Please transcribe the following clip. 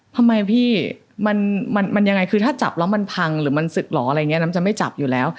ทำไมพี่มันยังไงคือถ้าจับแล้วมันพังหรือมันสึกหรอน้ำจะไม่จับอยู่แล้ว